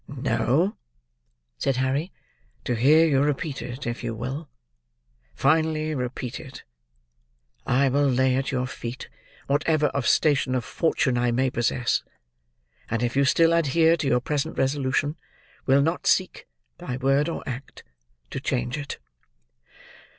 "No," said Harry; "to hear you repeat it, if you will—finally repeat it! I will lay at your feet, whatever of station of fortune I may possess; and if you still adhere to your present resolution, will not seek, by word or act, to change it."